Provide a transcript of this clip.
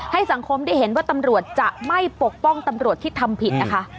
ให้สังคมได้เห็นว่าตำรวจจะไม่ปกป้องตำรวจที่ทำผิดนะคะ